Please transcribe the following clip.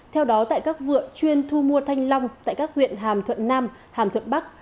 theo đó tại các vựa chuyên thu mua thanh long tại các huyện hàm thuận nam hàm thuận bắc